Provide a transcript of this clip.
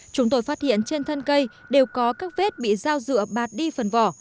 chúng tôi phát hiện trên thân cây đều có các vết bị dao dựa bạt đi phần vỏ